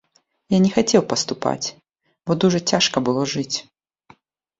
Я не хацеў паступаць, бо дужа цяжка было жыць.